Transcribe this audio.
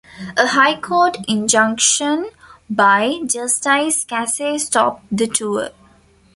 A High Court injunction by Justice Casey stopped the tour.